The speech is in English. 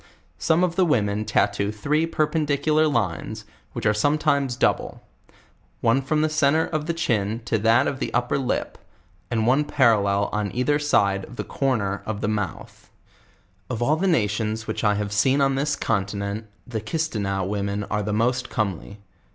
Some of the women tattoo three per pendicular lines, which are sometimes double; one from the centre of tiie chin to that of the under lip, and one parallel on either side of tli5 corner of the mouth. Of all the nations which I have seen on this continent, the Kisteneaux women are the most comely.